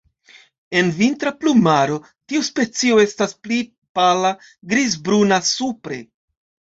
En vintra plumaro, tiu specio estas pli pala grizbruna supre.